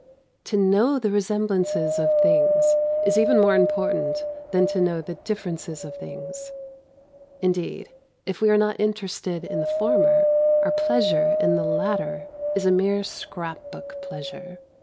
To know the resemblances of things is even more important than to know the differences of things. Indeed, if we are not interested in the former, our pleasure in the latter is a mere scrap book pleasure.